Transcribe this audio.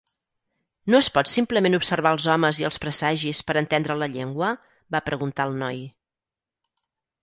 "No es pot simplement observar els homes i els presagis per entendre la llengua?" va preguntar el noi.